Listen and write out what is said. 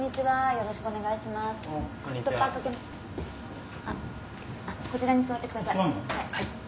はい。